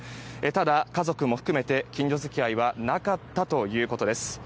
ただ、家族も含めて近所付き合いはなかったということです。